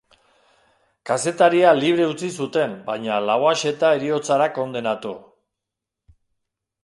Kazetaria libre utzi zuten, baina Lauaxeta heriotzara kondenatu.